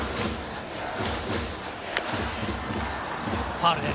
ファウルです。